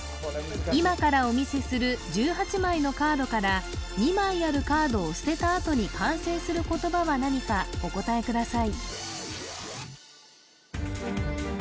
今からお見せする１８枚のカードから２枚あるカードを捨てたあとに完成する言葉は何かお答えください